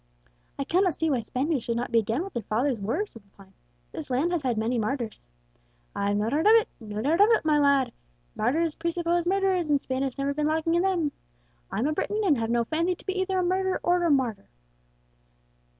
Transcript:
"I cannot see why Spaniards should not be again what their fathers were," said Lepine. "This land has had many martyrs." "I've no doubt of it, no doubt of it, my lad. Martyrs presuppose murderers, and Spain has never been lacking in them. I'm a Briton, and have no fancy to be either murderer or martyr.